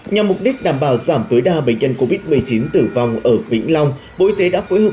nhằm mục đích đảm bảo giảm tối đa bệnh nhân covid một mươi chín tử vong ở vĩnh long bộ y tế đã phối hợp